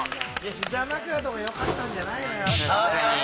膝枕とかよかったんじゃないの？